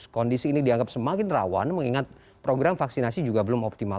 kondisi ini dianggap semakin rawan mengingat program vaksinasi juga belum optimal